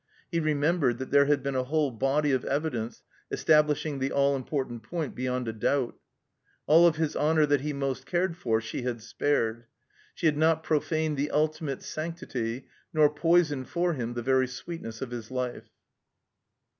He remembered that there had been a whole body of evidence es tablishing the all important point beyond a doubt. All of his honor that he most cared for she had spared. She had not profaned the ultimate sanctity, nor poisoned for him the very sweetness of his life.